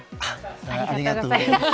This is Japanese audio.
ありがとうございます。